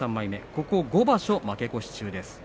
ここ５場所負け越し中です。